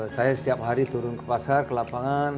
saya setiap hari turun ke pasar ke lapangan